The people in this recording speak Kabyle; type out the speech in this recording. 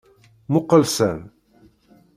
Muqel san!